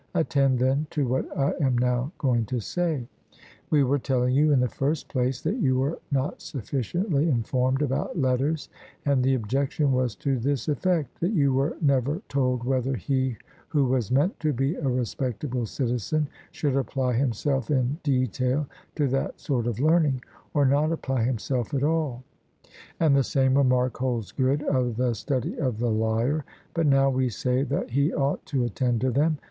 Attend, then, to what I am now going to say: We were telling you, in the first place, that you were not sufficiently informed about letters, and the objection was to this effect that you were never told whether he who was meant to be a respectable citizen should apply himself in detail to that sort of learning, or not apply himself at all; and the same remark holds good of the study of the lyre. But now we say that he ought to attend to them.